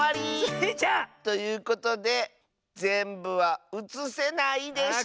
スイちゃん！ということでぜんぶはうつせないでした！